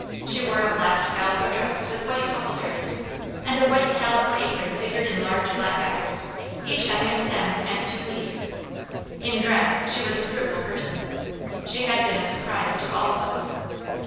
She wore a black calico dress with white huckleberries, and a white calico apron figured in large black apples, each having a stem and two leaves. In dress she was a fruitful person. She had been a surprise to all of us.